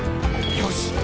「よし！